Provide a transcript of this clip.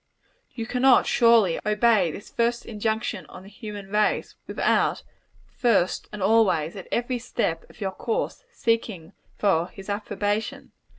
You cannot, surely, obey this first injunction on the human race, without first and always, at every step of your course, seeking for his approbation.